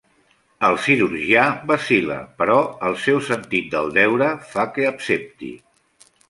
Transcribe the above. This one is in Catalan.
El cirurgià vacil·la, però el seu sentit del deure fa que accepti.